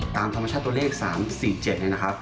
ตามธรรมชาติตัวเลข๓๔๗